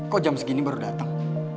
kok jam segini baru datang